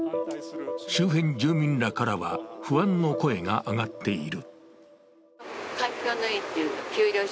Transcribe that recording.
周辺住民らからは不安の声が上がっている。